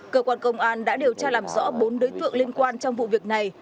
cơ quan công an đã điều tra làm rõ bốn đối tượng liên quan trong vụ việc này